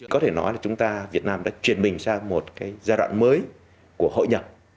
có thể nói là chúng ta việt nam đã chuyển mình sang một giai đoạn mới của hội nhập